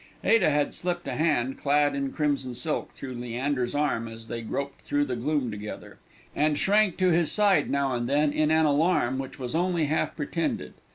Ada had slipped a hand, clad in crimson silk, through Leander's arm as they groped through the gloom together, and shrank to his side now and then in an alarm which was only half pretended.